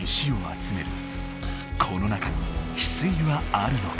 この中にヒスイはあるのか？